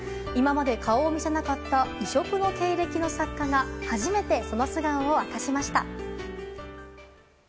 今まで顔を見せなかった異色の経歴の作家が初めてその素顔を明かしました。